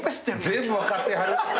全部分かってはる。